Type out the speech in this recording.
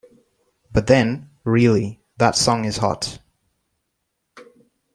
But then, really, that song is hot.